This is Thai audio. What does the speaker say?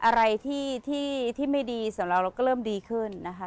อะไรที่ไม่ดีสำหรับเราเราก็เริ่มดีขึ้นนะคะ